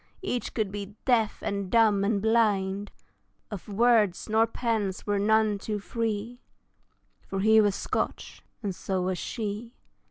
Each could be deaf, and dumb, and blind; Of words nor pence were none too free For he was Scotch, and so was she.